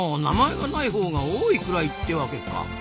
名前がないほうが多いくらいってわけか。